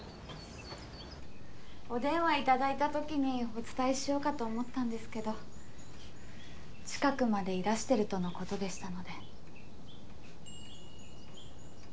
お電話いただいたときにお伝えしようかと思ったんですけど近くまでいらしてるとのことでしたので。